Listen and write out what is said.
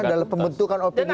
dalam pembentukan opini publik